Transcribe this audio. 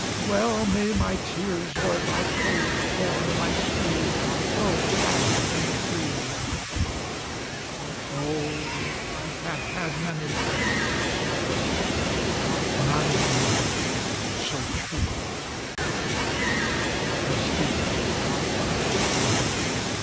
Well may my tears o'er thy cold form, My steed, flow fast and free, For, oh! I have had many friends, Yet none so true as thee!